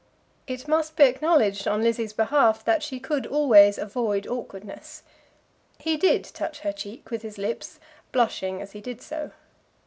It must be acknowledged on Lizzie's behalf, that she could always avoid awkwardness. He did touch her cheek with his lips, blushing as he did so.